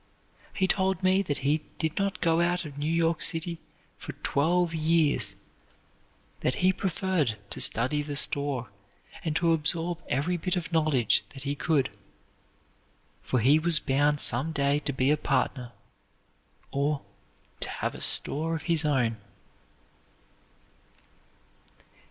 He told me that he did not go out of New York City for twelve years; that he preferred to study the store, and to absorb every bit of knowledge that he could, for he was bound some day to be a partner or to have a store of his own.